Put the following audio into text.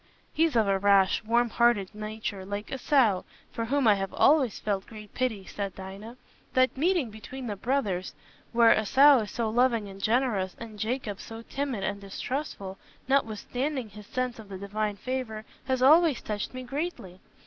'" "He's of a rash, warm hearted nature, like Esau, for whom I have always felt great pity," said Dinah. "That meeting between the brothers, where Esau is so loving and generous, and Jacob so timid and distrustful, notwithstanding his sense of the Divine favour, has always touched me greatly.